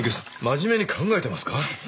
真面目に考えてますか？